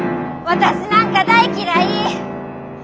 私なんか大嫌い！